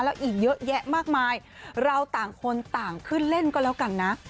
แล้วอีกเยอะแยะมากมายเราต่างคนต่างขึ้นเล่นก็แล้วกันนะ